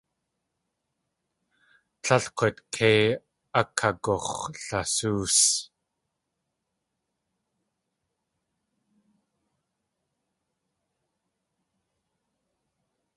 Tlél k̲ut kei akagux̲lasóos.